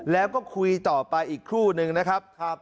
แล้วก็คุยต่อไปอีกครู่นึงนะครับ